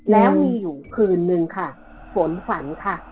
แล้วมีอยู่คืนนึงค่ะฝนฝันค่ะ